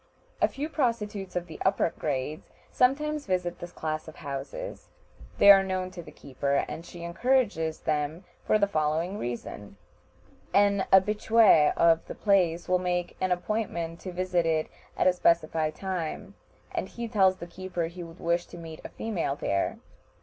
A few prostitutes of the upper grades sometimes visit this class of houses; they are known to the keeper, and she encourages them for the following reason: An habitué of the place will make an appointment to visit it at a specified time, and he tells the keeper he would wish to meet a female there.